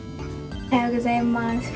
おはようございます。